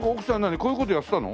こういう事やってたの？